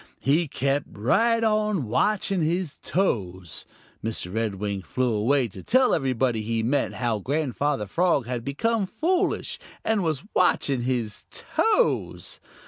He kept right on watching his toes. Mr. Redwing flew away to tell everybody he met how Grandfather Frog had become foolish and was watching his toes.